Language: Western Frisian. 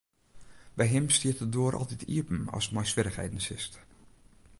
By him stiet de doar altyd iepen ast mei swierrichheden sitst.